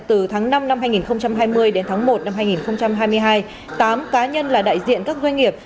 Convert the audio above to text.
từ tháng năm năm hai nghìn hai mươi đến tháng một năm hai nghìn hai mươi hai tám cá nhân là đại diện các doanh nghiệp